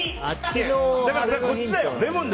だからこっちだよ。